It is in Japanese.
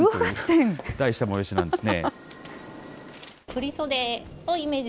題した催しなんですね。